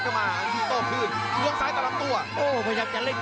แข็งแรงจริง